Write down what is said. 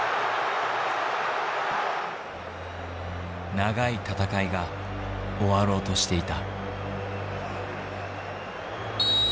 長い戦いが終わろうとしていた。